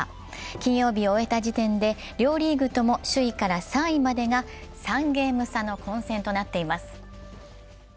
金曜日を終えた時点で、両リーグとも首位から３位までが３ゲーム差の混戦となっています。